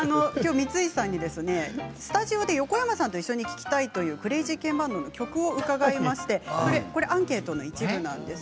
光石さんにスタジオで横山さんと一緒に聴きたいクレイジーケンバンドの曲を伺いましてアンケートの一部なんです。